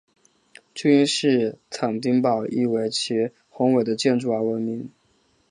君士坦丁堡亦以其宏伟的建筑而闻名。